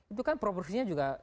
itu kan proporsinya juga